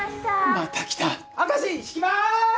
また来た明石敷きます！